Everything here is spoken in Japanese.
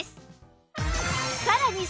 さらに